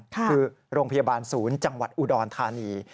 คือโรงพยาบาลศูนย์จังหวัดอุดรธานี